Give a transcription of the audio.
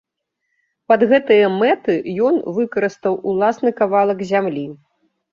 Пад гэтыя мэты ён выкарыстаў уласны кавалак зямлі.